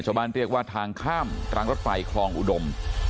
ชาวบ้านเรียกว่าทางข้ามรางรถไฟคลองอุดม